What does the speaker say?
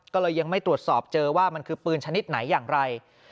ก็เลยยังไม่ตรวจสอบเจอว่ามันคือปืนชนิดไหนอย่างไร